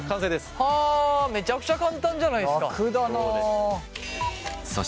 はあめちゃくちゃ簡単じゃないですか。